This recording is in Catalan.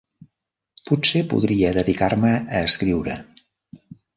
Potser podria dedicar-me a escriure.